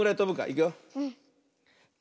いくよ。と